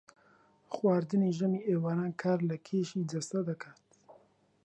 خواردنی ژەمی ئێوارە کار لە کێشی جەستە دەکات